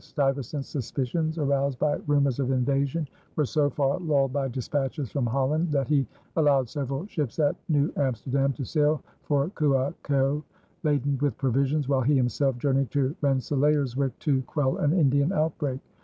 Stuyvesant's suspicions, aroused by rumors of invasion, were so far lulled by dispatches from Holland that he allowed several ships at New Amsterdam to sail for Curaçao ladened with provisions, while he himself journeyed to Rensselaerswyck to quell an Indian outbreak.